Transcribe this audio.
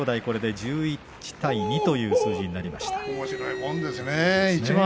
これで１１対２という数字になりました。